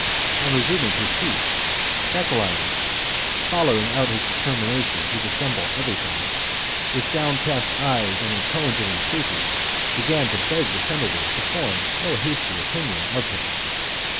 On his resuming his seat, Catiline, follow ing out his determination to dissemble everything, with downcast look and in tones of entreaty began to THE CONSPIRACY OF CATILINE. 2^ beg the senators to form no hasty opinion of him.